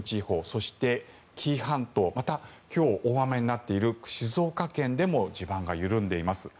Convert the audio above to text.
そして、紀伊半島また今日大雨になっている静岡県でも地盤が緩んでいます。